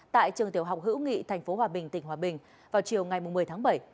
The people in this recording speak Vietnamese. tại trường tiểu học hữu nghị tp hòa bình tỉnh hòa bình vào chiều ngày một mươi tháng bảy